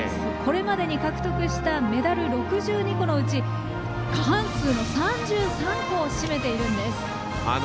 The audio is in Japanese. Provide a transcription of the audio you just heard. これまでに獲得したメダル６２個のうち過半数の３３個を占めているんです。